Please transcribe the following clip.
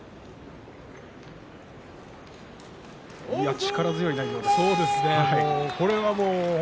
力強い内容でしたね。